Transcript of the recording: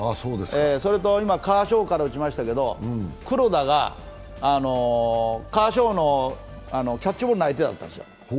それと今、カーショーから打ちましたけど黒田がカーショーのキャッチボールの相手だったんですよ。